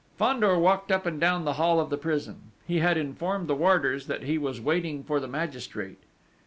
Fandor walked up and down the hall of the prison. He had informed the warders that he was waiting for the magistrate.